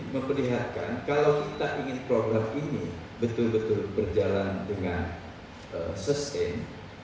memperlihatkan kalau kita ingin program ini betul betul berjalan dengan sustain